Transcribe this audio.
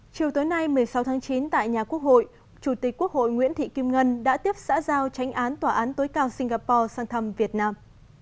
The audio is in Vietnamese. chiều tối nay một mươi sáu tháng chín tại nhà quốc hội chủ tịch quốc hội nguyễn thị kim ngân đã tiếp xã giao tránh án tòa án tối cao singapore sang thăm việt nam